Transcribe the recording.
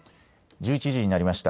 １１時になりました。